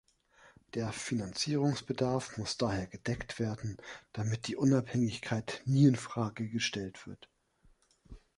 Der Finanzierungsbedarf muss daher gedeckt werden, damit die Unabhängigkeit nie in Frage gestellt wird.